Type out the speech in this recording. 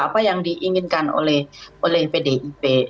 apa yang diinginkan oleh pdip